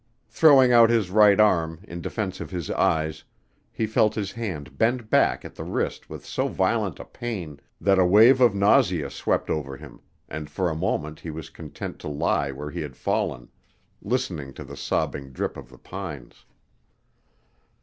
Throwing out his right arm, in defense of his eyes, he felt his hand bend back at the wrist with so violent a pain that a wave of nausea swept over him and for a moment he was content to lie where he had fallen, listening to the sobbing drip of the pines.